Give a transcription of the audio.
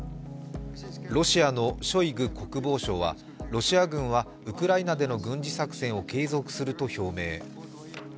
ロシアのショイグ国防相はロシア軍はウクライナでの軍事作戦を継続すると表明。